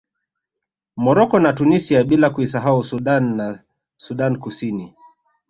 Morocco na Tunisia bila kuisahau Sudan na Sudani Kusini